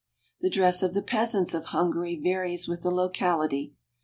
The dress of the peasants of Hungary varies with the locality.